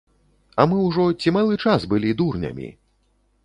А мы ўжо ці малы час былі дурнямі?